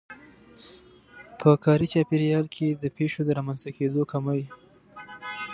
په کاري چاپېريال کې د پېښو د رامنځته کېدو کمی.